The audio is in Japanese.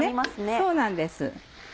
そうなんです。